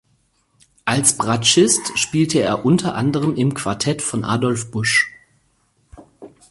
Als Bratschist spielte er unter anderem im Quartett von Adolf Busch.